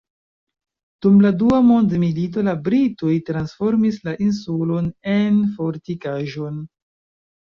Dum la Dua Mondmilito la britoj transformis la insulon en fortikaĵon.